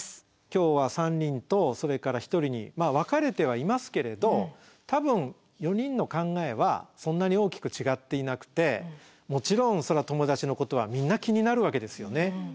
今日は３人とそれから１人に分かれてはいますけれど多分４人の考えはそんなに大きく違っていなくてもちろん友達のことはみんな気になるわけですよね。